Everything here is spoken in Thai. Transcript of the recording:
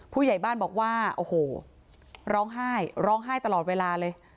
ผู้ใหญ่บ้านบอกว่าโอ้โหร้องไห้ร้องไห้ตลอดเวลาเลย